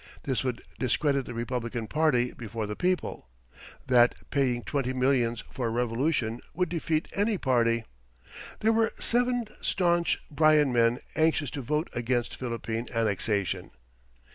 This would discredit the Republican Party before the people; that "paying twenty millions for a revolution" would defeat any party. There were seven staunch Bryan men anxious to vote against Philippine annexation.